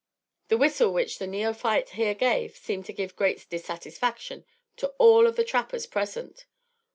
The whistle which the neophyte here gave seemed to give great dissatisfaction to all of the trappers present.